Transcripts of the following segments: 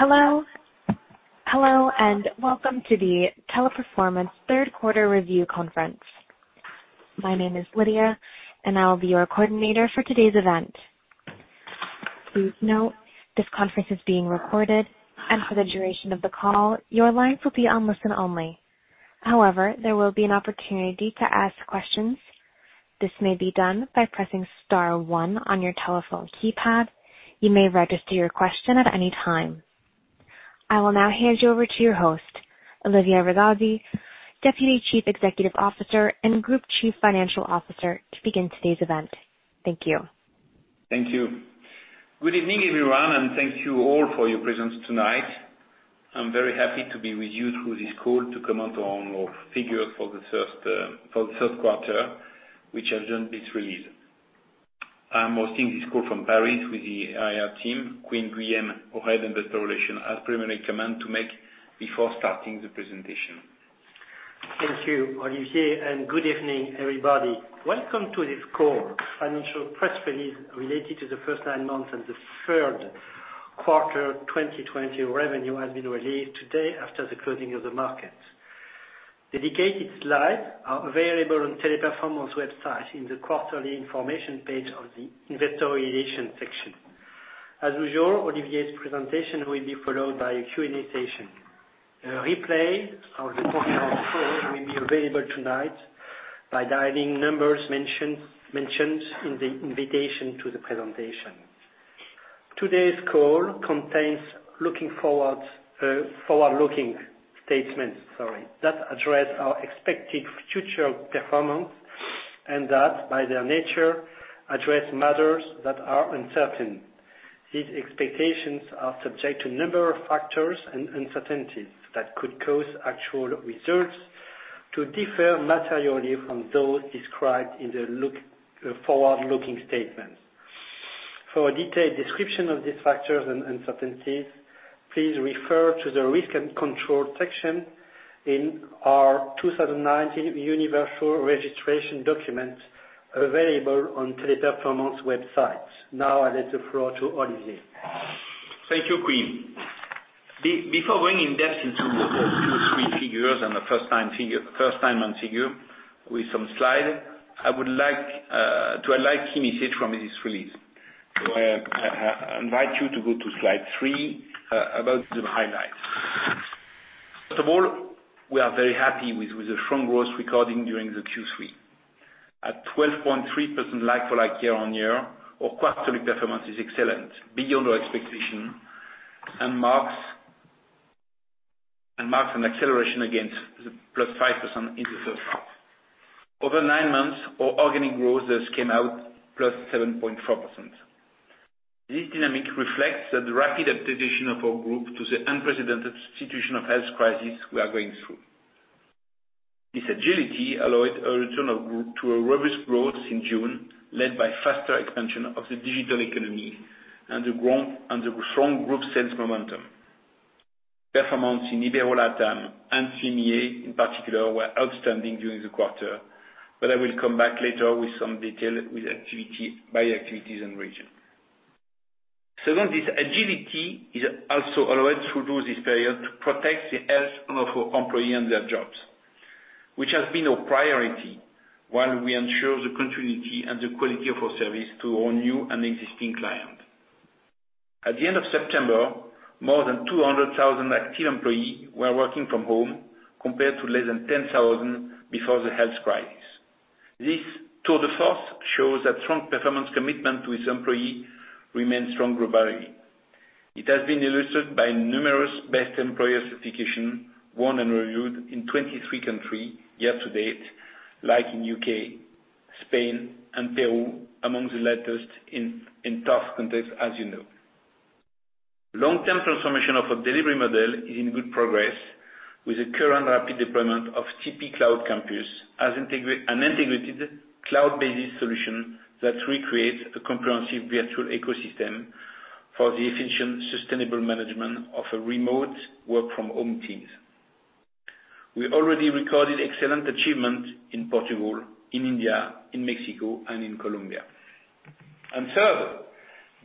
Hello, and welcome to the Teleperformance third quarter review conference. My name is Lydia, and I will be your coordinator for today's event. Please note this conference is being recorded, and for the duration of the call, your lines will be on listen only. However, there will be an opportunity to ask questions. This may be done by pressing star one on your telephone keypad. You may register your question at any time. I will now hand you over to your host, Olivier Rigaudy, Deputy Chief Executive Officer and Group Chief Financial Officer, to begin today's event. Thank you. Thank you. Good evening, everyone, and thank you all for your presence tonight. I'm very happy to be with you through this call to comment on our figures for the third quarter, which has just been released. I'm hosting this call from Paris with the IR team. Quy Nguyen, our Head of Investor Relations, has preliminary comments to make before starting the presentation. Thank you, Olivier. Good evening, everybody. Welcome to this call. Financial press release related to the first nine months and the third quarter 2020 revenue has been released today after the closing of the market. Dedicated slides are available on the Teleperformance website in the quarterly information page of the Investor Relations section. As usual, Olivier's presentation will be followed by a Q&A session. A replay of the conference call will be available tonight by dialing numbers mentioned in the invitation to the presentation. Today's call contains forward-looking statements that address our expected future performance and that, by their nature, address matters that are uncertain. These expectations are subject to a number of factors and uncertainties that could cause actual results to differ materially from those described in the forward-looking statement. For a detailed description of these factors and uncertainties, please refer to the risk and control section in our 2019 universal registration document available on Teleperformance website. I let the floor to Olivier. Thank you, Quy. Before going in-depth into the Q3 figures and the first-time figure with some slides, I would like to highlight key message from this release. I invite you to go to slide three, about the highlights. First of all, we are very happy with the strong growth recording during the Q3. At 12.3% like-for-like year-on-year, our quarterly performance is excellent, beyond our expectation, and marks an acceleration against the plus 5% in the third quarter. Over nine months, our organic growth has came out plus 7.4%. This dynamic reflects the rapid adaptation of our group to the unprecedented situation of health crisis we are going through. This agility allowed a return of group to a robust growth in June, led by faster expansion of the digital economy and the strong group sales momentum. Performance in Ibero-LATAM and EMEA, in particular, were outstanding during the quarter. I will come back later with some details by activity and region. Second, this agility is also allowed through this period to protect the health of our employee and their jobs, which has been our priority while we ensure the continuity and the quality of our service to our new and existing client. At the end of September, more than 200,000 active employees were working from home compared to less than 10,000 before the health crisis. This tour de force shows that strong performance commitment to its employee remains strong globally. It has been illustrated by numerous best employer certification, won and renewed in 23 country year to date, like in U.K., Spain, and Peru, among the latest in tough context as you know. Long-term transformation of our delivery model is in good progress with the current rapid deployment of TP Cloud Campus, an integrated cloud-based solution that recreates a comprehensive virtual ecosystem for the efficient, sustainable management of a remote work-from-home teams. We already recorded excellent achievement in Portugal, in India, in Mexico, and in Colombia. Third,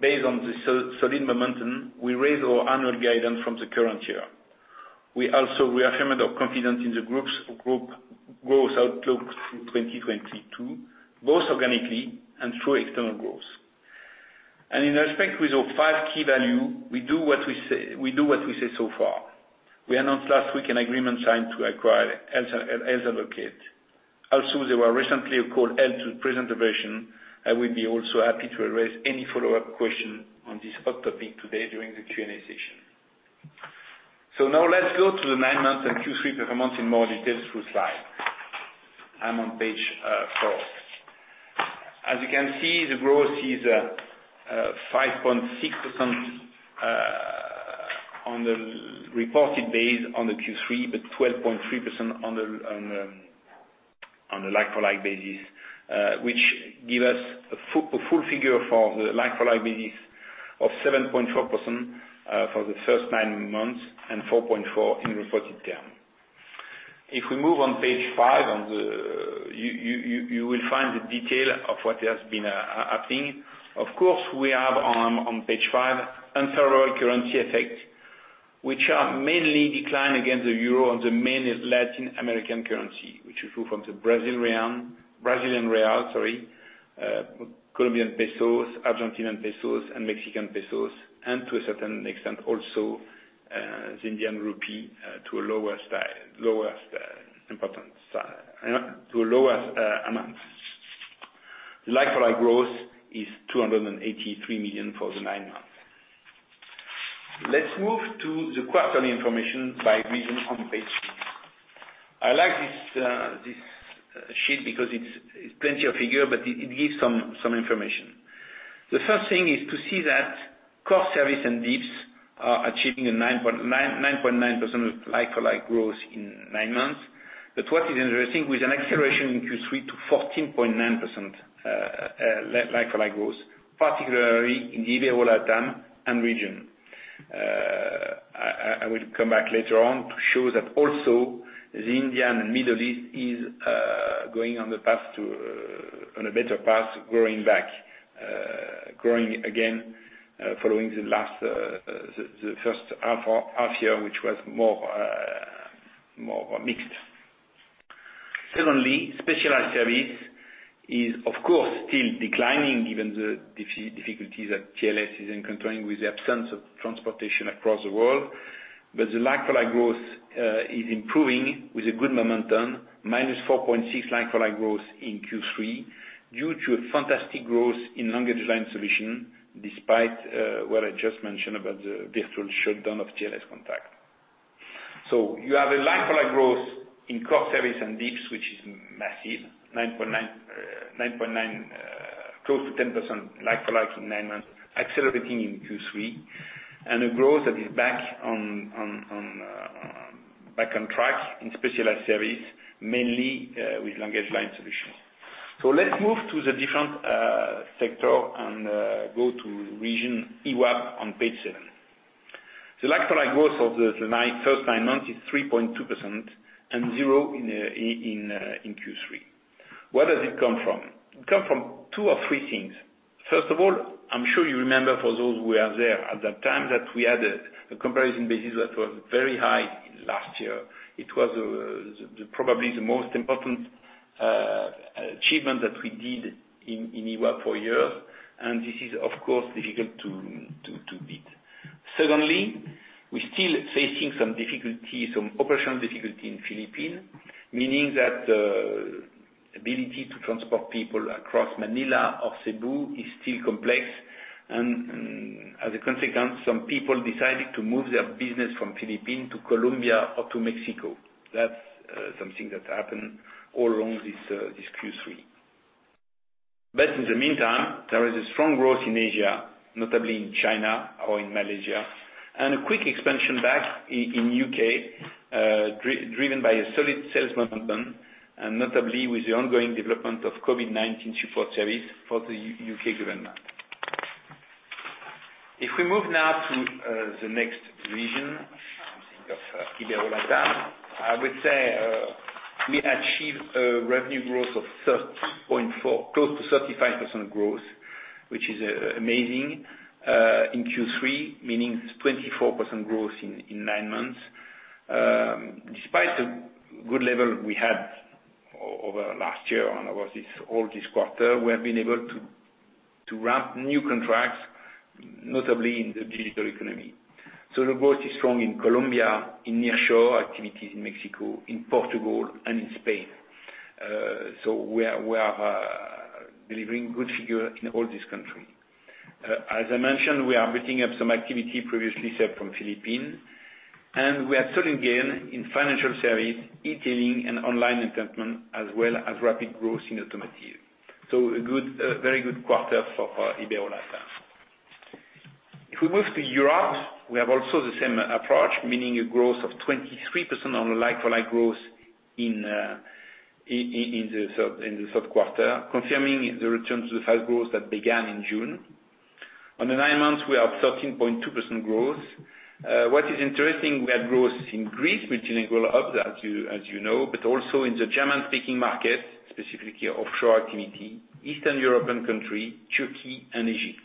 based on the solid momentum, we raise our annual guidance from the current year. We also reaffirm our confidence in the group's growth outlook through 2022, both organically and through external growth. In respect with our five key value, we do what we say so far. We announced last week an agreement signed to acquire Health Advocate. There were recently a call held to present the version. I will be also happy to address any follow-up questions on this hot topic today during the Q&A session. Now let's go to the nine-month and Q3 performance in more details through slide. I'm on page four. As you can see, the growth is 5.6% on the reported base on the Q3, but 12.3% on the like-for-like basis, which gives us a full figure for the like-for-like basis of 7.4% for the first nine months and 4.4% in reported term. If we move on page five, you will find the details of what has been happening. Of course, we have on page five an unfavorable currency effect, which are mainly decline against the EUR and the main Latin American currency, which is essentially Brazilian Real, Colombian pesos, Argentinian pesos, and Mexican pesos, and to a certain extent, also the Indian rupee to a lower amount. Like-for-like growth is 283 million for the nine months. Let's move to the quarterly information by region on page six. I like this sheet because it's plenty of figures, but it gives some information. The first thing is to see that core service and D.I.B.S. are achieving a 9.9% like-for-like growth in nine months. What is interesting with an acceleration in Q3 to 14.9% like-for-like growth, particularly in the Ibero-LATAM and region. I will come back later on to show that also the India and Middle East is going on a better path, growing back, growing again, following the first half year, which was more mixed. Secondly, Specialized Services is, of course, still declining given the difficulties that TLS is encountering with the absence of transportation across the world. The like-for-like growth is improving with a good momentum, -4.6% like-for-like growth in Q3 due to a fantastic growth in LanguageLine Solutions despite what I just mentioned about the virtual shutdown of TLScontact. You have a like-for-like growth in core service and D.I.B.S., which is massive, 9.9% close to 10% like-for-like in nine months, accelerating in Q3, and a growth that is back on track in Specialized Services, mainly, with LanguageLine Solutions. Let's move to the different sector and go to region EWAP on page seven. The like-for-like growth of the first nine months is 3.2% and zero in Q3. Where does it come from? It come from two or three things. First of all, I'm sure you remember, for those who were there at that time, that we had a comparison basis that was very high last year. It was probably the most important achievement that we did in EWAP for years. This is, of course, difficult to beat. Secondly, we're still facing some operational difficulty in Philippines, meaning that ability to transport people across Manila or Cebu is still complex. As a consequence, some people decided to move their business from Philippines to Colombia or to Mexico. That's something that happened all along this Q3. In the meantime, there is a strong growth in Asia, notably in China or in Malaysia, and a quick expansion back in U.K., driven by a solid sales momentum, and notably with the ongoing development of COVID-19 support service for the U.K. government. If we move now to the next region, I'm thinking of Ibero-LATAM. I would say we achieved a revenue growth of 30.4%, close to 35% growth, which is amazing, in Q3, meaning 24% growth in nine months. Despite the good level we had over last year and overall this quarter, we have been able to wrap new contracts, notably in the digital economy. The growth is strong in Colombia, in nearshore activities in Mexico, in Portugal, and in Spain. We are delivering good figures in all these countries. As I mentioned, we are booting up some activity previously served from Philippines, and we are selling again in financial services, e-tailing, and online entertainment, as well as rapid growth in automotive. A very good quarter for Ibero-LATAM. If we move to Europe, we have also the same approach, meaning a growth of 23% on the like-for-like growth in the third quarter, confirming the return to the high growth that began in June. On the nine months, we have 13.2% growth. What is interesting, we have growth in Greece, which didn't go up, as you know, but also in the German-speaking market, specifically offshore activity, Eastern European country, Turkey, and Egypt.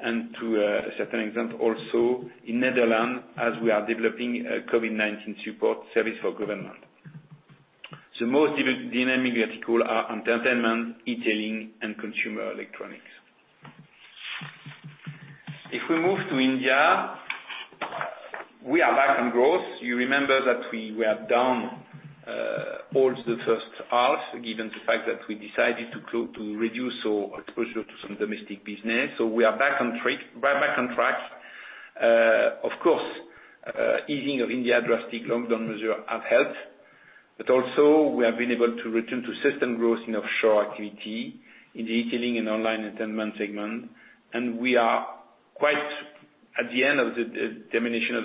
To a certain extent, also, in Netherlands, as we are developing a COVID-19 support service for the government. Most dynamic verticals are entertainment, e-tailing, and consumer electronics. If we move to India, we are back on growth. You remember that we were down all the first half, given the fact that we decided to reduce our exposure to some domestic business. We are back on track. Of course easing of India's drastic lockdown measure have helped. Also, we have been able to return to system growth in offshore activity in the e-tailing and online entertainment segment. We are quite at the end of the diminution of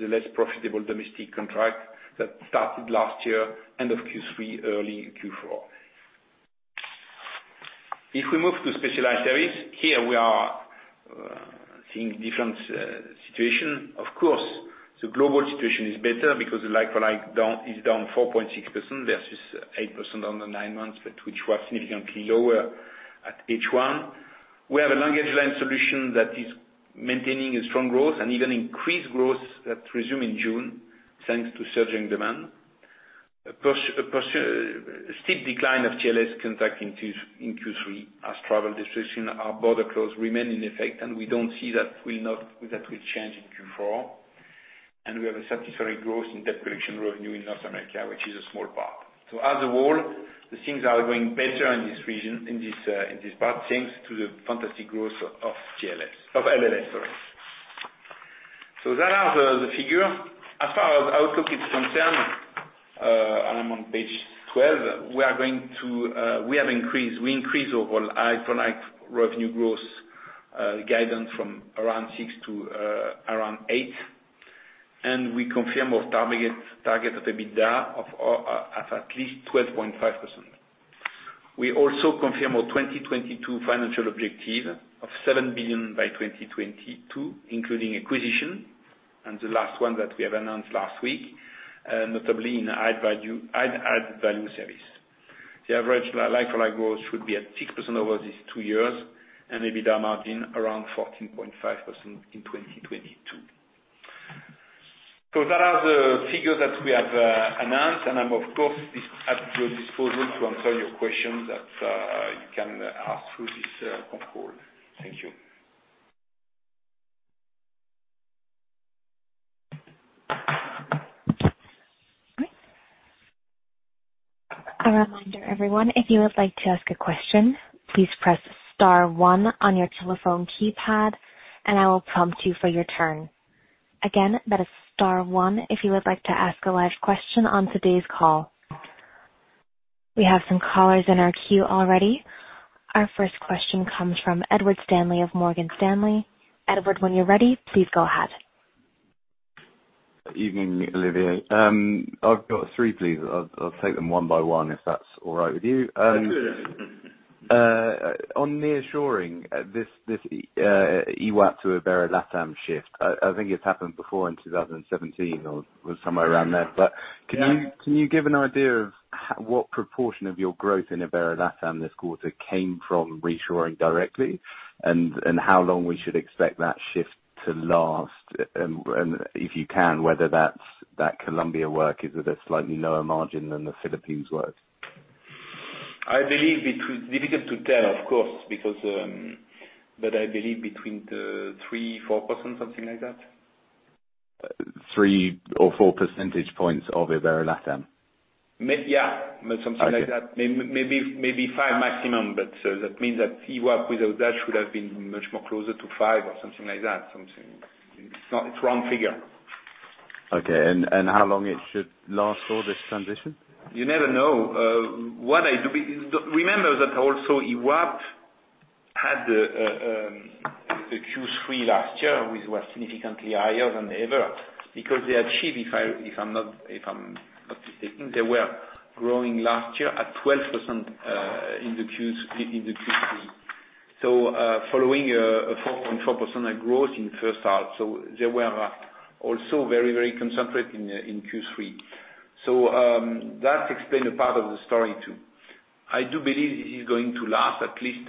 the less profitable domestic contract that started last year, end of Q3, early Q4. If we move to specialized areas, here we are seeing different situations. Of course, the global situation is better because the like-for-like is down 4.6% versus 8% on the nine months, but which was significantly lower at H1. We have LanguageLine Solutions that is maintaining a strong growth and even increased growth that resume in June, thanks to surging demand. A steep decline of TLScontact in Q3 as travel restriction are border closed remain in effect, and we don't see that will change in Q4. We have a satisfactory growth in debt collection revenue in North America, which is a small part. As a whole, the things are going better in this part, thanks to the fantastic growth of TLS. Of LLS, sorry. That are the figure. As far as outlook is concerned, and I'm on page 12, we increase overall like-for-like revenue growth guidance from around 6% to around 8%, and we confirm our target of EBITDA of at least 12.5%. We also confirm our 2022 financial objective of 7 billion by 2022, including acquisition, and the last one that we have announced last week, notably in add value service. The average like-for-like growth should be at 6% over these two years, and EBITDA margin around 14.5% in 2022. That are the figures that we have announced, and I'm of course, at your disposal to answer your questions that you can ask through this call. Thank you. A reminder, everyone, if you would like to ask a question, please press star one on your telephone keypad, and I will prompt you for your turn. Again, that is star one, if you would like to ask a live question on today's call. We have some callers in our queue already. Our first question comes from Edward Stanley of Morgan Stanley. Edward, when you're ready, please go ahead. Evening, Olivier. I've got three, please. I'll take them one by one, if that's all right with you. That's good. On nearshoring, this EWAP to Ibero-LATAM shift, I think it's happened before in 2017 or somewhere around there. Can you give an idea of what proportion of your growth in Ibero-LATAM this quarter came from reshoring directly? How long we should expect that shift to last? If you can, whether that Colombia work is at a slightly lower margin than the Philippines work. I believe it's difficult to tell, of course, but I believe between 3% and 4%, something like that. Three or four percentage points of Ibero-LATAM? Yeah. Something like that. Okay. Maybe five maximum, but that means that EWAP without that should have been much more closer to five or something like that. It is wrong figure. Okay, how long it should last for, this transition? You never know. Remember that also EWAP had the Q3 last year, which was significantly higher than ever because they achieved, if I'm not mistaken, they were growing last year at 12% in the Q3. Following a 4.4% growth in the first half. They were also very concentrated in Q3. That explains a part of the story, too. I do believe it is going to last at least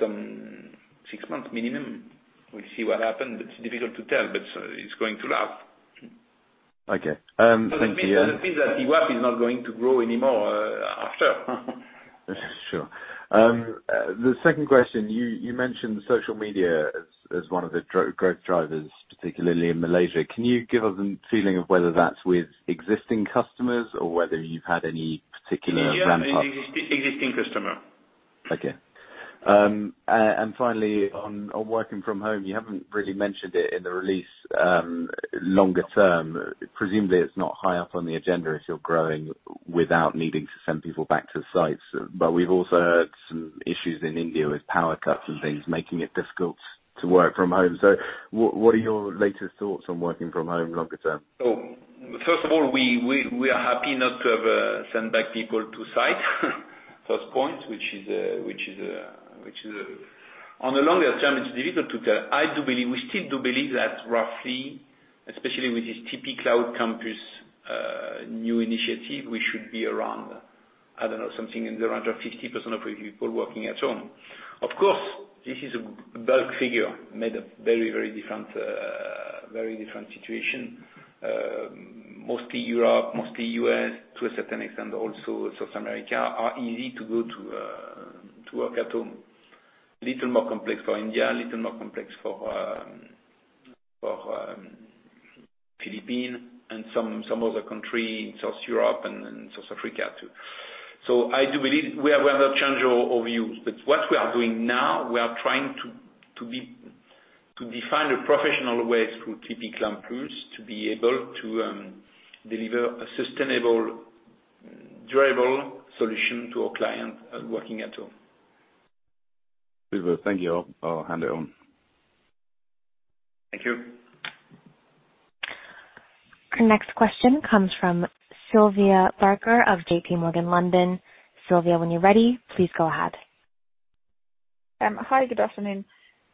some six months minimum. We'll see what happens. It's difficult to tell, but it's going to last. Okay. Thank you. It doesn't mean that EWAP is not going to grow anymore after. Sure. The second question: you mentioned social media as one of the growth drivers, particularly in Malaysia. Can you give us a feeling of whether that's with existing customers or whether you've had any particular ramp-up? Yeah. Existing customer. Okay. Finally, on working from home, you haven't really mentioned it in the release longer term. Presumably, it's not high up on the agenda if you're growing without needing to send people back to sites. We've also heard some issues in India with power cuts and things making it difficult to work from home. What are your latest thoughts on working from home longer term? First of all, we are happy not to have send back people to site, first point. On the longer term, it's difficult to tell. We still do believe that roughly, especially with this Teleperformance Cloud Campus new initiative, we should be around, I don't know, something in the range of 50% of our people working at home. Of course, this is a bulk figure made of very different situation. Mostly Europe, mostly U.S., to a certain extent also South America are easy to go to work at home. Little more complex for India, a little more complex for Philippines and some other country in South Europe and South Africa, too. I do believe we have not changed our views. What we are doing now, we are trying to define a professional way through Teleperformance Cloud Campus to be able to deliver a sustainable, durable solution to our client working at home. Very well. Thank you. I'll hand it on. Thank you. Our next question comes from Sylvia Barker of JP Morgan, London. Sylvia, when you're ready, please go ahead. Hi, good afternoon.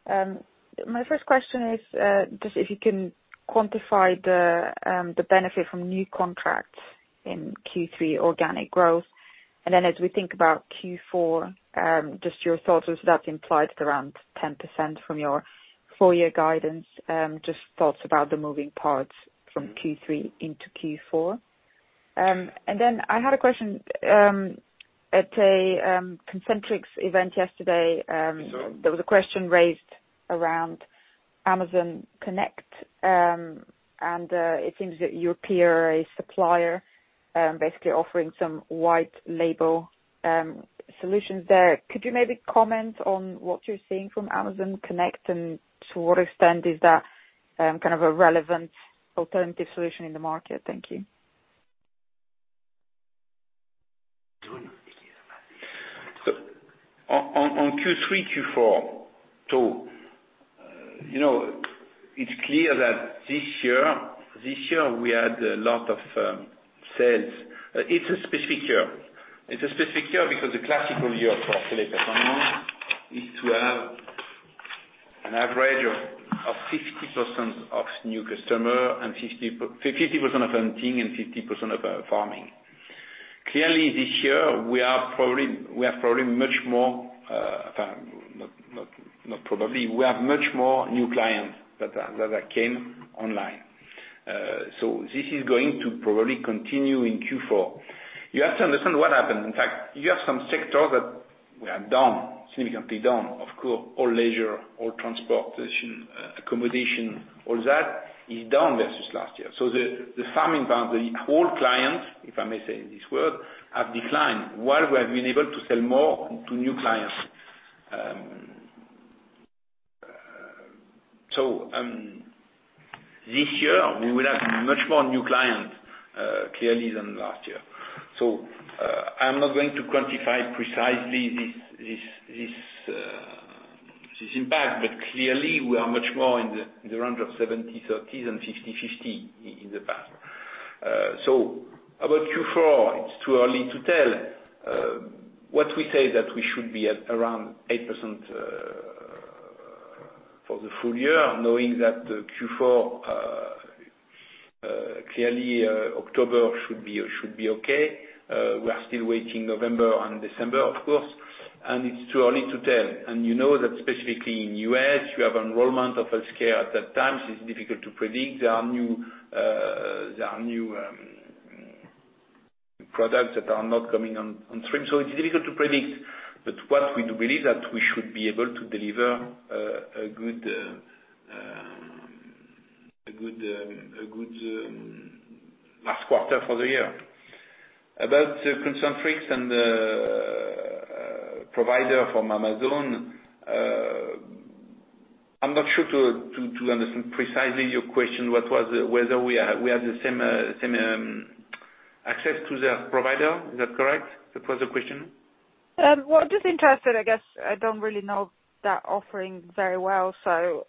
My first question is, just if you can quantify the benefit from new contracts in Q3 organic growth. As we think about Q4, just your thoughts, as that implies around 10% from your full-year guidance. Just thoughts about the moving parts from Q3 into Q4. I had a question. At a Concentrix event yesterday, there was a question raised around Amazon Connect, and it seems that you appear a supplier, basically offering some white-label solutions there. Could you maybe comment on what you're seeing from Amazon Connect, and to what extent is that kind of a relevant alternative solution in the market? Thank you. On Q3, Q4. It's clear that this year, we had a lot of sales. It's a specific year. It's a specific year because the classical year for Teleperformance is to have an average of 60% of new customers, and 50% of hunting, and 50% of farming. Clearly, this year, we have much more new clients that came online. This is going to probably continue in Q4. You have to understand what happened. In fact, you have some sectors that were down, significantly down. Of course, all leisure, all transportation, accommodation, all that is down versus last year. The farming part, the old clients, if I may say this word, have declined while we have been able to sell more to new clients. This year we will have much more new clients, clearly, than last year. I'm not going to quantify precisely this impact. Clearly, we are much more in the range of 70/30 than 60/50 in the past. About Q4, it's too early to tell. What we say that we should be at around 8% for the full year, knowing that Q4, clearly, October should be okay. We are still waiting November and December, of course, and it's too early to tell. You know that specifically in U.S., you have enrollment of healthcare at that time. It's difficult to predict. There are new products that are not coming on stream. It's difficult to predict. What we do believe that we should be able to deliver a good last quarter for the year. About Concentrix and the provider from Amazon, I'm not sure to understand precisely your question. Whether we have the same access to their provider. Is that correct? That was the question. Well, just interested, I guess. I don't really know that offering very well. Is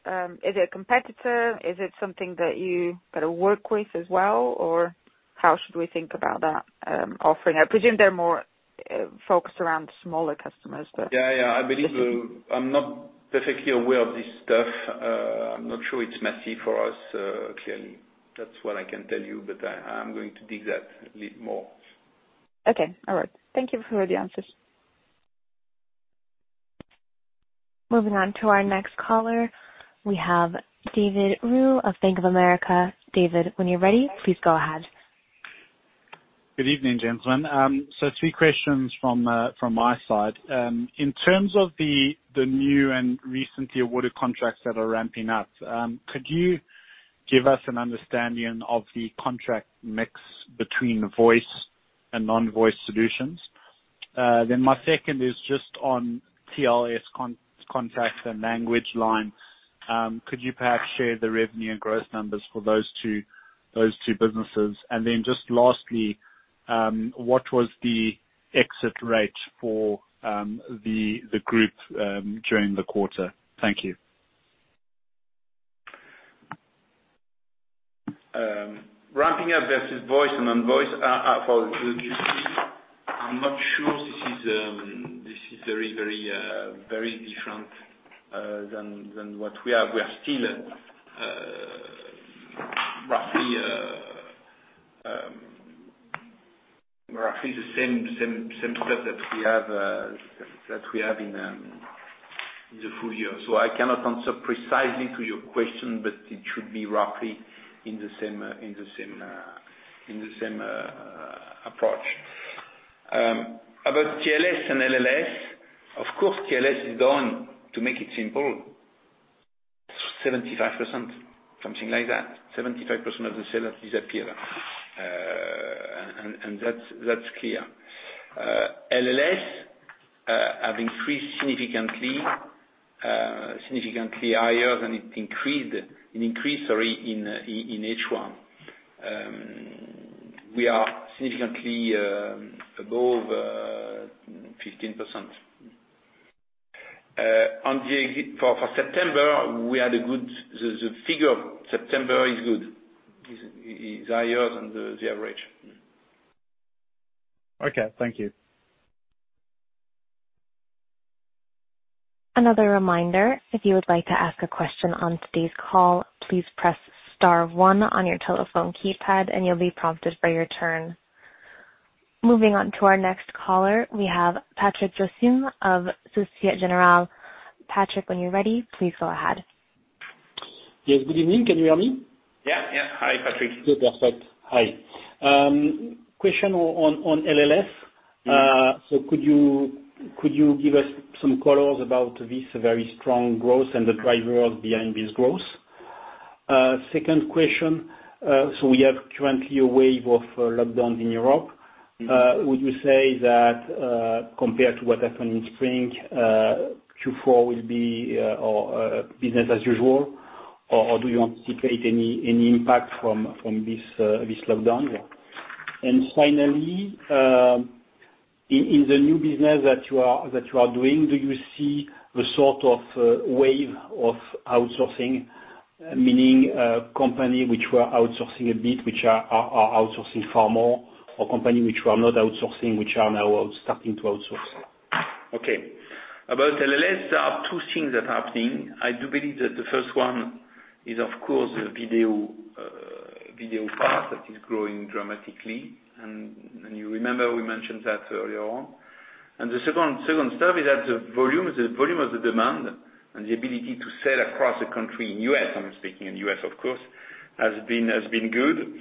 it a competitor? Is it something that you got to work with as well? How should we think about that offering? I presume they're more focused around smaller customers. Yeah. I believe so. I'm not perfectly aware of this stuff. I'm not sure it's massive for us. Clearly, that's what I can tell you. I'm going to dig that a little more. Okay. All right. Thank you for the answers. Moving on to our next caller, we have David Roux of Bank of America. David, when you're ready, please go ahead. Good evening, gentlemen. Two questions from my side. In terms of the new and recently awarded contracts that are ramping up, could you give us an understanding of the contract mix between voice and non-voice solutions? My second is just on TLScontact contracts and LanguageLine. Could you perhaps share the revenue and growth numbers for those two businesses? Just lastly, what was the exit rate for the group during the quarter? Thank you. Ramping up versus voice and non-voice. For Q3, I'm not sure this is very different than what we have. We are still roughly the same stuff that we have in the full year. I cannot answer precisely to your question, but it should be roughly in the same approach. About TLS and LLS, of course, TLS is down, to make it simple, 75%, something like that. 75% of the sellers disappear. That's clear. LLS have increased significantly higher than it increased in H1. We are significantly above 15%. For September, we had The figure September is good; it is higher than the average. Okay. Thank you. Another reminder, if you would like to ask a question on today's call, please press star one on your telephone keypad, and you'll be prompted for your turn. Moving on to our next caller, we have Patrick Jousseaume of Societe Generale. Patrick, when you're ready, please go ahead. Yes. Good evening. Can you hear me? Yeah. Hi, Patrick. Good. Perfect. Hi. Question on LLS. Could you give us some colors about this very strong growth and the driver behind this growth? Second question. We have currently a wave of lockdowns in Europe. Would you say that, compared to what happened in spring, Q4 will be business as usual, or do you anticipate any impact from this lockdown? Finally, in the new business that you are doing, do you see the sort of wave of outsourcing, meaning company which were outsourcing a bit, which are outsourcing far more, or company which were not outsourcing, which are now starting to outsource? Okay. About LLS, there are two things that are happening. I do believe that the first one is, of course, the video part that is growing dramatically. You remember we mentioned that earlier on. The second stuff is that the volume of the demand and the ability to sell across the country in U.S.—I'm speaking in U.S. of course, has been good.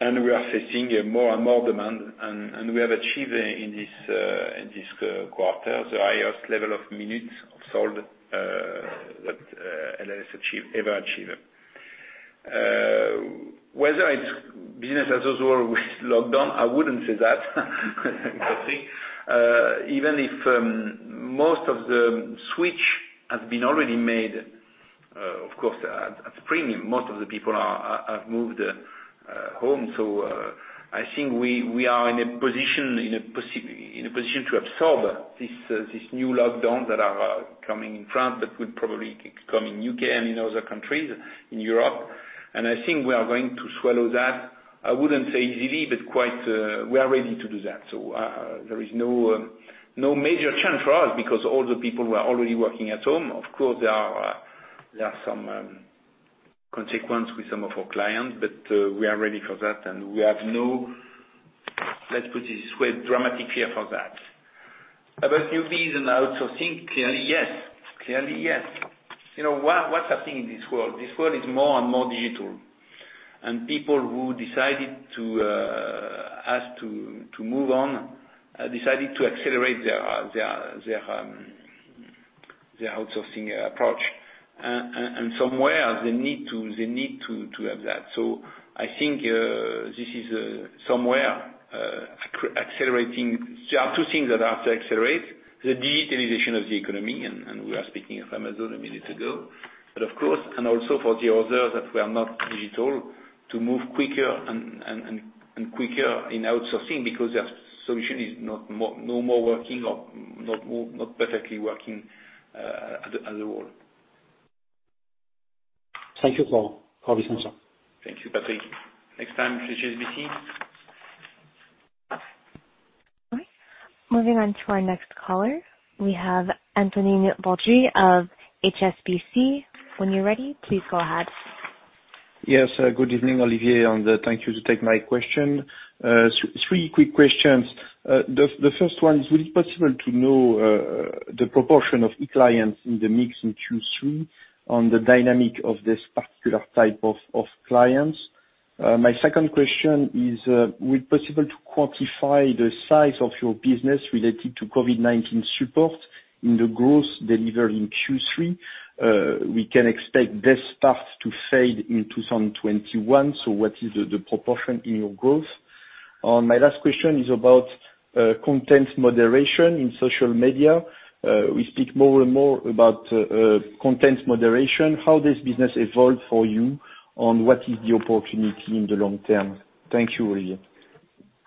We are facing a more and more demand, and we have achieved in this quarter the highest level of minutes sold that LLS has ever achieved. Whether it's business as usual with lockdown, I wouldn't say that. I see. Even if most of the switch has been already made, of course, at premium, most of the people have moved home. I think we are in a position to absorb this new lockdown that are coming in France, that will probably come in U.K. and in other countries in Europe. I think we are going to swallow that, I wouldn't say easily, but quite, we are ready to do that. There is no major change for us because all the people were already working at home. Of course, there are some consequences with some of our clients, but we are ready for that, and we have no, let's put it this way, dramatic fear for that. About new business and outsourcing, clearly yes. What's happening in this world? This world is more and more digital. People who decided to ask to move on, decided to accelerate their outsourcing approach. Somewhere, they need to have that. I think this is somewhere accelerating. There are two things that have to accelerate, the digitalization of the economy, and we are speaking of Amazon a minute ago, but of course, and also for the others that were not digital, to move quicker and quicker in outsourcing because their solution is no more working or not perfectly working at all. Thank you for the response. Thank you, Patrick. Next time, please HSBC. Okay. Moving on to our next caller, we have Antonin Baudry of HSBC. When you are ready, please go ahead. Yes. Good evening, Olivier, thank you to take my question. Three quick questions. The first one, is it possible to know the proportion of e-clients in the mix in Q3 on the dynamic of this particular type of clients? My second question is, will it possible to quantify the size of your business related to COVID-19 support in the growth delivered in Q3? We can expect this start to fade in 2021. What is the proportion in your growth? My last question is about content moderation in social media. We speak more and more about content moderation, how this business evolved for you, on what is the opportunity in the long term. Thank you, Olivier.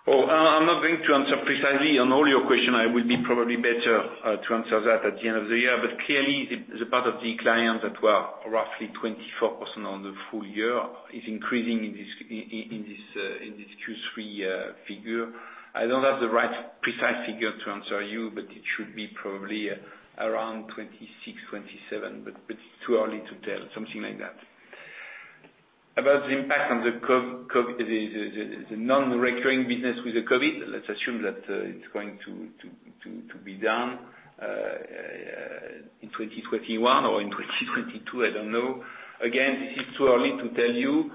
Oh, I'm not going to answer precisely on all your questions. I will be probably better to answer that at the end of the year. Clearly, the part of the clients that were roughly 24% on the full year is increasing in this Q3 figure. I don't have the right precise figure to answer you, but it should be probably around 26%, 27%, but it's too early to tell. Something like that. About the impact on the non-recurring business with the COVID-19, let's assume that it's going to be done in 2021 or in 2022; I don't know. Again, it's too early to tell you.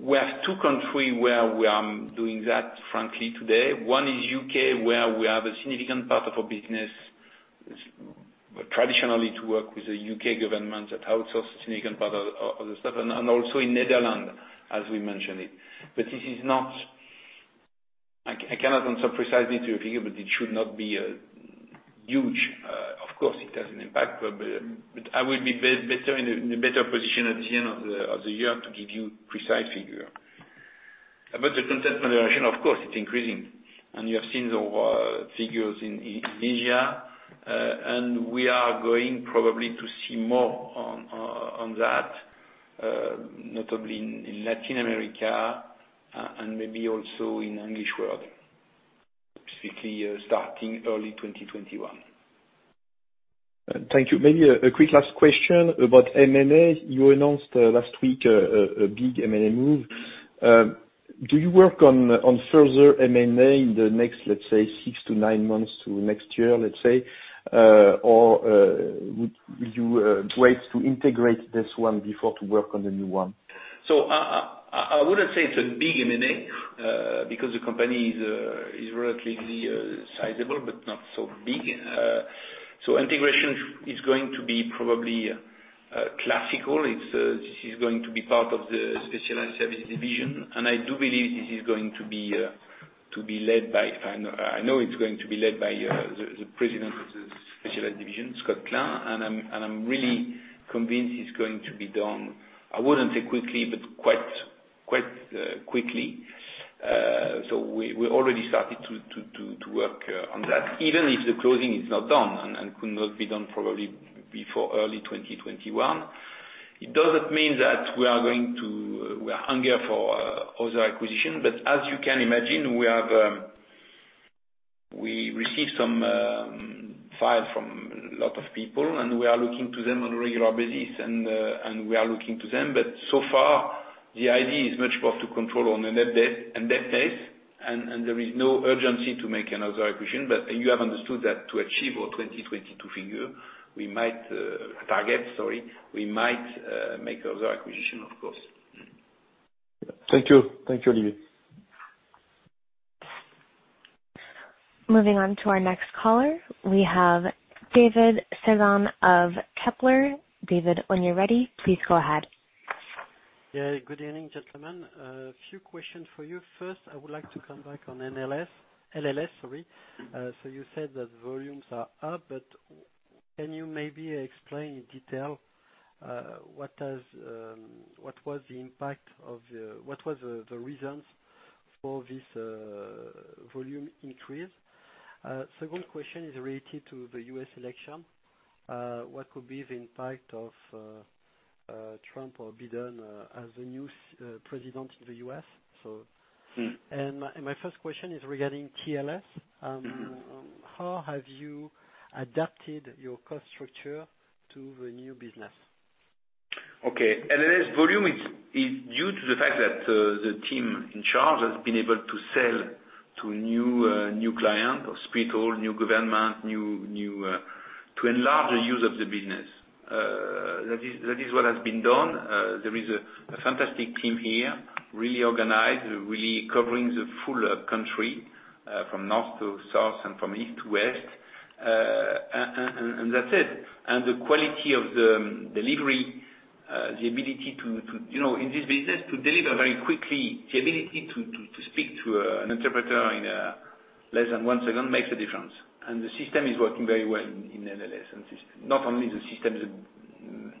We have two countries where we are doing that, frankly, today. One is U.K., where we have a significant part of our business, traditionally to work with the U.K. government that outsources a significant part of the stuff, and also in Netherlands, as we mentioned it. I cannot answer precisely to your figure, but it should not be huge. Of course, it has an impact, but I will be in a better position at the end of the year to give you precise figure. The content moderation, of course, it's increasing. You have seen the figures in India, and we are going probably to see more on that, notably in Latin America and maybe also in English world, specifically starting early 2021. Thank you. Maybe a quick last question about M&A. You announced last week a big M&A move. Do you work on further M&A in the next, let's say, six to nine months to next year, let's say, or would you wait to integrate this one before to work on the new one? I wouldn't say it's a big M&A, because the company is relatively sizable but not so big. Integration is going to be probably classical. This is going to be part of the Specialized Services division, and I do believe this is going to be led by, I know it's going to be led by the President of the Specialized Services division, Scott Klein, and I'm really convinced it's going to be done, I wouldn't say quickly, but quite quickly. We already started to work on that, even if the closing is not done and could not be done probably before early 2021. It doesn't mean that we are hungry for other acquisitions, but as you can imagine, we receive some files from a lot of people, and we are looking to them on a regular basis, and we are looking to them. So far, the idea is much more to control on a net debt base, and there is no urgency to make another acquisition. You have understood that to achieve our 2022 figure, we might make other acquisitions, of course. Thank you. Thank you, Olivier. Moving on to our next caller. We have David Cerdan of Kepler. David, when you're ready, please go ahead. Yeah, good evening, gentlemen. A few questions for you. First, I would like to come back on NLS. LLS, sorry. You said that volumes are up, but can you maybe explain in detail what was the reasons for this volume increase? Second question is related to the U.S. election. What could be the impact of Trump or Biden as the new president in the U.S.? My first question is regarding TLScontact. How have you adapted your cost structure to the new business? Okay. LLS volume is due to the fact that the team in charge has been able to sell to new clients or hospital, new governments to enlarge the use of the business. That is what has been done. There is a fantastic team here, really organized, really covering the full country from north to south and from east to west. That's it. The quality of the delivery, the ability to, in this business, to deliver very quickly, the ability to speak to an interpreter in less than one second make a difference. The system is working very well in LLS. Not only the system, the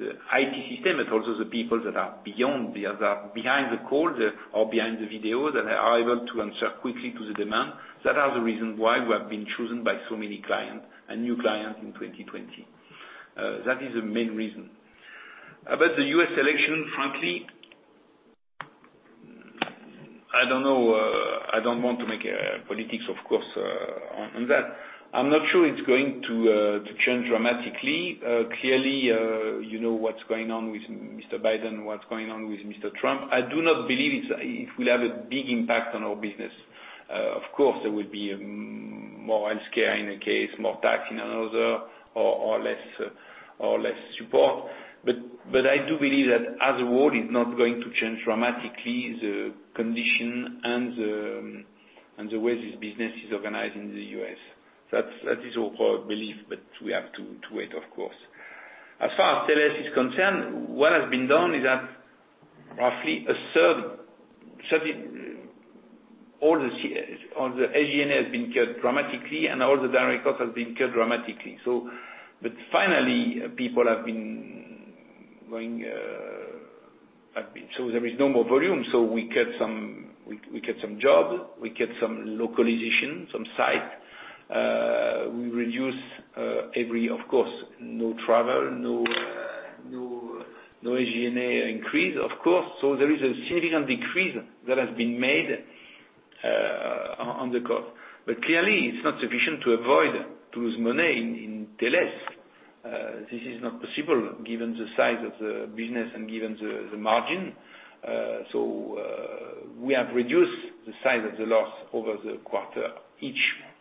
IT system, but also the people that are behind the call or behind the video, that are able to answer quickly to the demand. That is the reason why we have been chosen by so many clients and new clients in 2020. That is the main reason. About the U.S. election, frankly, I don't know. I don't want to make politics, of course, on that. I'm not sure it's going to change dramatically. Clearly, you know what's going on with Mr. Biden, what's going on with Mr. Trump. I do not believe it will have a big impact on our business. Of course, there will be more healthcare in a case, more tax in another, or less support. I do believe that as a world, it's not going to change dramatically the condition and the way this business is organized in the U.S. That is our belief, but we have to wait, of course. As far as TLS is concerned, what has been done is that roughly a third, all the G&A, has been cut dramatically, and all the direct costs have been cut dramatically. Finally, people have been going. There is no more volume; we cut some jobs, we cut some localization, some sites. We reduce every, of course, no travel, no G&A increase, of course. There is a significant decrease that has been made on the cost. Clearly, it's not sufficient to avoid, to lose money in TLS. This is not possible given the size of the business and given the margin. We have reduced the size of the loss over the quarter,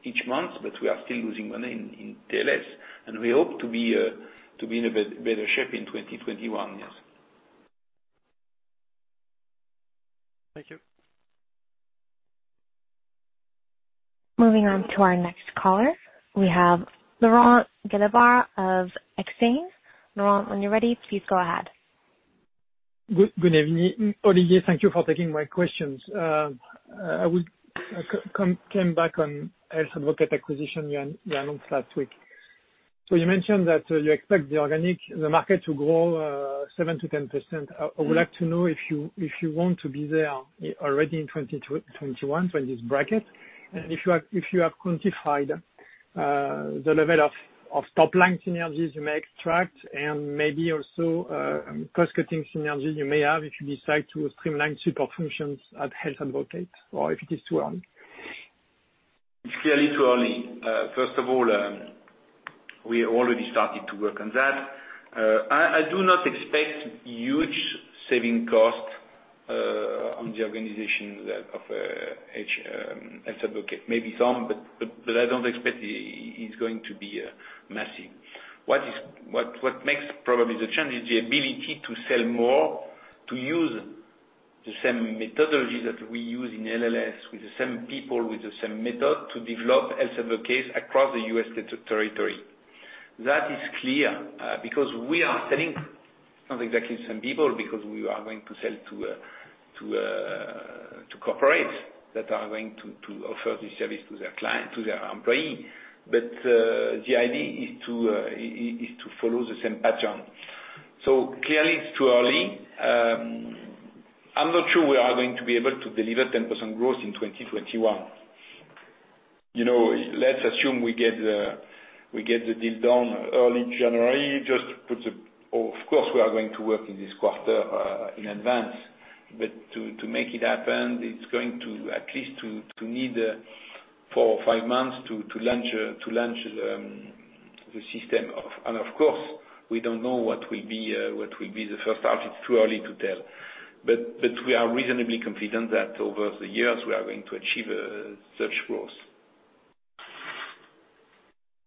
each month, but we are still losing money in TLS, and we hope to be in a better shape in 2021, yes. Thank you. Moving on to our next caller. We have Laurent Gélébart of Exane. Laurent, when you're ready, please go ahead. Good evening, Olivier. Thank you for taking my questions. I will came back on Health Advocate acquisition you announced last week. You mentioned that you expect the organic, the market to grow 7%-10%. I would like to know if you want to be there already in 2021, in this bracket. If you have quantified the level of top-line synergies you may extract, and maybe also cost-cutting synergies you may have if you decide to streamline support functions at Health Advocate, or if it is too early. It's clearly too early. First of all, we already started to work on that. I do not expect huge saving costs on the organization of Health Advocate. Maybe some. I don't expect it is going to be massive. What makes probably the challenge is the ability to sell more, to use the same methodology that we use in LLS with the same people, with the same method, to develop Health Advocate across the U.S. territory. That is clear, because we are selling not exactly the same people, because we are going to sell to corporates that are going to offer this service to their employees. The idea is to follow the same pattern. Clearly it's too early. I'm not sure we are going to be able to deliver 10% growth in 2021. Let's assume we get the deal done early January. Of course, we are going to work in this quarter in advance. To make it happen, it's going to at least need four or five months to launch the system. Of course, we don't know what will be the first half, it's too early to tell. We are reasonably confident that over the years we are going to achieve such growth.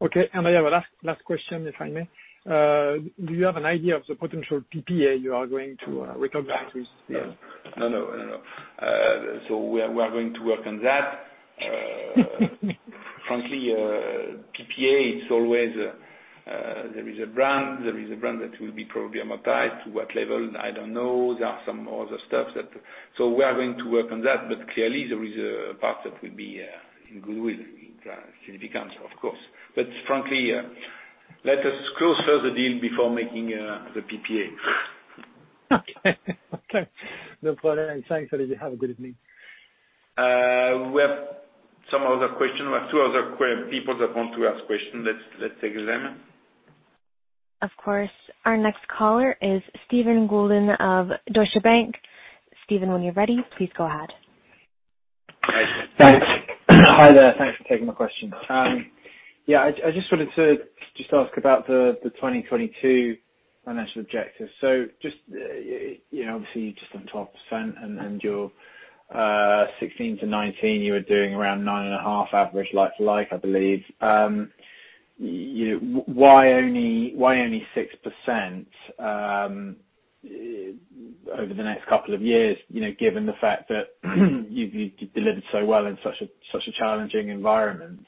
Okay. I have a last question, if I may. Do you have an idea of the potential PPA you are going to recognize? No. We are going to work on that. Frankly, PPA, it's always there is a brand that will be probably amortized. To what level, I don't know. There are some other stuff. We are going to work on that. Clearly, there is a part that will be in goodwill, significant, of course. Frankly, let us close first the deal before making the PPA. Okay. No problem. Thanks, Olivier. Have a good evening. We have some other questions. We have two other people that want to ask questions. Let's take them. Of course. Our next caller is Steven Goulden of Deutsche Bank. Steven, when you're ready, please go ahead. Thanks. Hi there. Thanks for taking my question. I just wanted to just ask about the 2022 financial objectives. Obviously, you just did 12%, and your 2016 to 2019, you were doing around nine and a half average like-for-like, I believe. Why only 6% over the next couple of years, given the fact that you've delivered so well in such a challenging environment?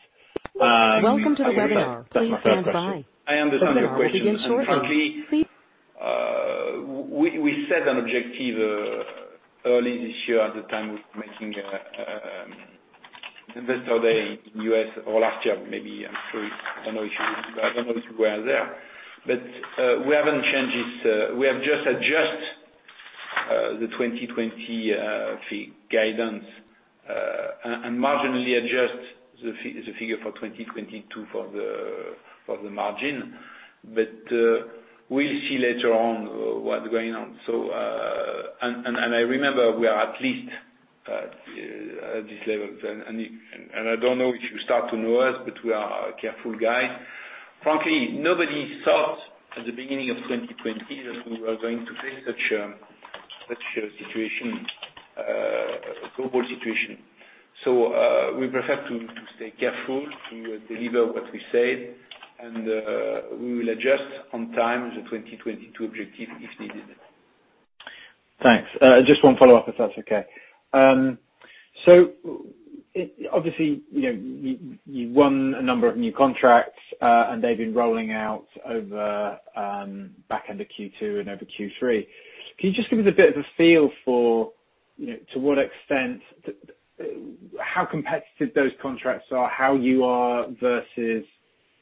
Welcome to the webinar. Please stand by. I understand your question. Frankly, we set an objective early this year at the time of making Investor Day in U.S. or last year, maybe. I'm sure. I don't know if you were there. We haven't changed it. We have just adjust the 2020 fee guidance and marginally adjust the figure for 2022 for the margin. We'll see later on what's going on. I remember we are at least at this level. I don't know if you start to know us, but we are a careful guy. Frankly, nobody thought at the beginning of 2020 that we were going to face such a situation, global situation. We prefer to stay careful, to deliver what we said, and we will adjust on time the 2022 objective if needed. Thanks. Just one follow-up, if that's okay. Obviously, you won a number of new contracts, and they've been rolling out over back end of Q2 and over Q3. Can you just give us a bit of a feel for to what extent, how competitive those contracts are, how you are versus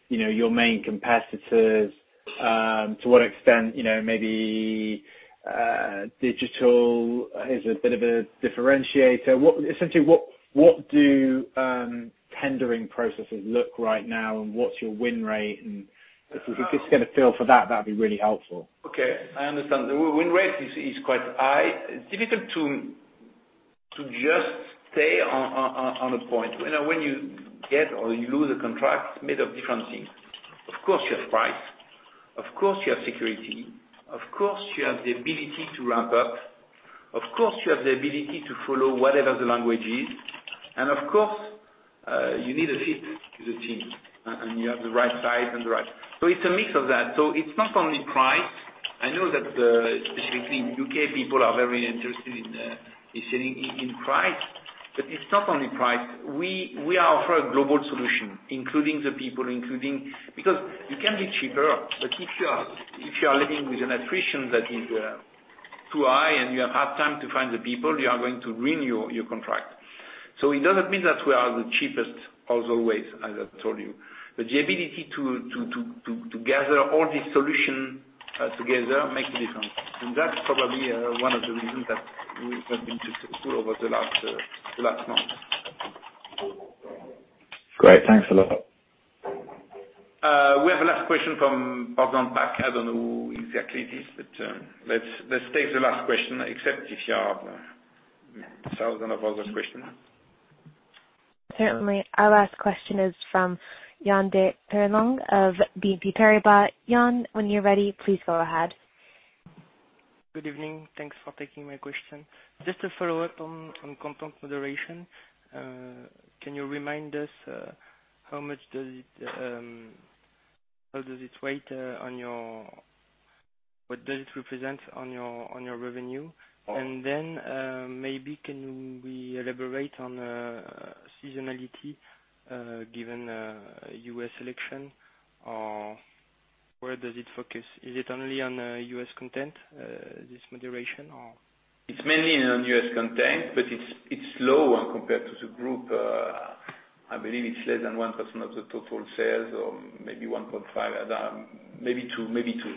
your main competitors, to what extent maybe digital is a bit of a differentiator? Essentially, what do tendering processes look right now, and what's your win rate? If you could just get a feel for that'd be really helpful. Okay. I understand. The win rate is quite high. It's difficult to just stay on a point. When you get or you lose a contract made of different things. Of course, you have a price. Of course, you have security. Of course, you have the ability to ramp up. Of course, you have the ability to follow whatever the language is. Of course, you need a fit to the team, and you have the right size. It's a mix of that. It's not only price. I know that, specifically in U.K., people are very interested in price, but it's not only price. We offer a global solution, including the people. You can be cheaper, but if you are living with an attrition that is too high and you have had time to find the people, you are going to renew your contract. It does not mean that we are the cheapest as always, as I told you. The ability to gather all these solutions together makes a difference. That's probably one of the reasons that we have been good over the last month. Great. Thanks a lot. We have a last question from BNP Paribas. I don't know who exactly it is, but let's take the last question, except if you have thousands of other questions. Certainly. Our last question is from Yann de Peyrelongue of BNP Paribas. Yann, when you're ready, please go ahead. Good evening. Thanks for taking my question. Just a follow-up on content moderation. Can you remind us, what does it represent on your revenue? Maybe can we elaborate on seasonality, given U.S. election, or where does it focus? Is it only on U.S. content, this moderation, or? It's mainly on U.S. content, but it's low when compared to the group. I believe it's less than 1% of the total sales or maybe 1.5. Maybe two.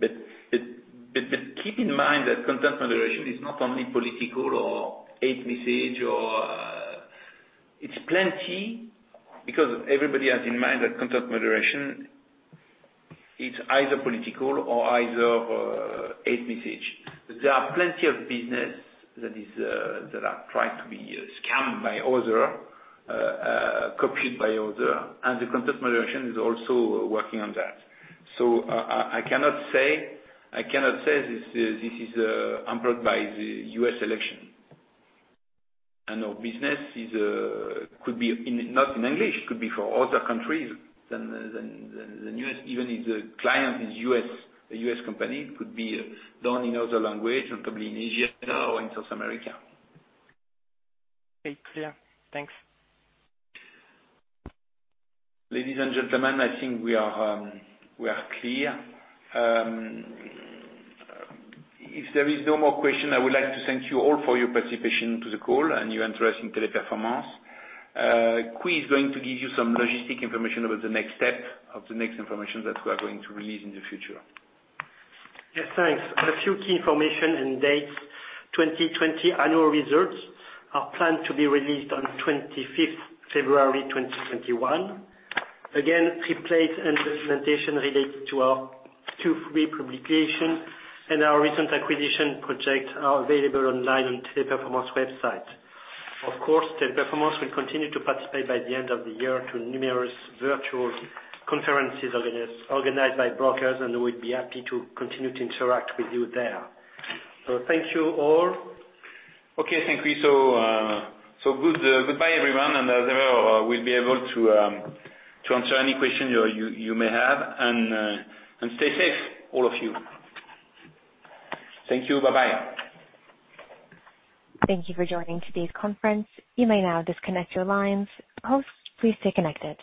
Keep in mind that content moderation is not only political or hate messages. It's plenty because everybody has in mind that content moderation, it's either political or either hate messages. There are plenty of businesses that are trying to be scammed by others, copied by other, and the content moderation is also working on that. I cannot say this is hampered by the U.S. election. Our business could be not in English, could be for other countries than U.S. Even if the client is a U.S. company, it could be done in other languages and probably in Asia or in South America. Okay. Clear. Thanks. Ladies and gentlemen, I think we are clear. If there is no more questions, I would like to thank you all for your participation to the call and your interest in Teleperformance. Quy is going to give you some logistic information about the next step of the next information that we are going to release in the future. Yes, thanks. A few key information and dates. 2020 annual results are planned to be released on 25th February 2021. Replays and presentations related to our Q3 publication and our recent acquisition project are available online on Teleperformance website. Teleperformance will continue to participate by the end of the year to numerous virtual conferences organized by brokers, and we'd be happy to continue to interact with you there. Thank you all. Okay, thank you. Goodbye everyone, and as ever, we'll be able to answer any questions you may have, and stay safe, all of you. Thank you. Bye-bye. Thank you for joining today's conference. You may now disconnect your lines. Hosts, please stay connected.